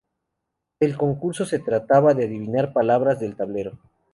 El concurso se trataba de adivinar palabras del tablero.